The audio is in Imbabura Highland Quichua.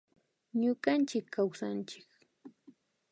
Ñukanchik kawsanchik